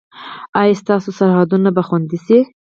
ایا ستاسو سرحدونه به خوندي شي؟